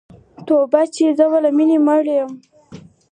توبه چي زه به له میني موړ یم